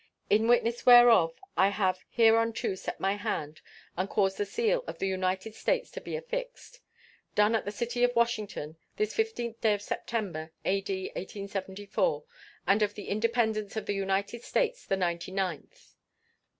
In witness whereof I have hereunto set my hand and caused the seal of the United States to be affixed. Done at the city of Washington, this 15th day of September, A.D. 1874, and of the Independence of the United States the ninety ninth.